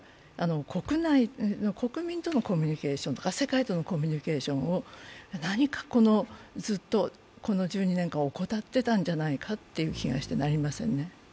国民とのコミュニケーションとか世界とのコミュニケーションをずっとこの１２年間怠ってたんじゃないかという気がしてなりませんね。